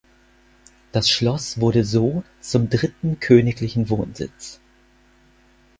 Das Schloss wurde so zum dritten königlichen Wohnsitz.